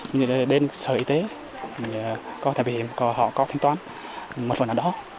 mình đến sở y tế mình có thể bảo hiểm họ có thanh toán một phần ở đó